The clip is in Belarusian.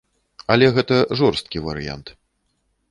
Але гэта жорсткі варыянт.